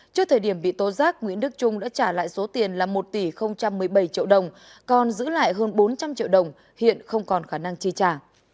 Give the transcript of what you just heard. trước thời điểm bị tố giác nguyễn đức trung đã trả lại số tiền là một tỷ một mươi bảy triệu đồng còn giữ lại hơn bốn trăm linh triệu đồng hiện không còn khả năng chi trả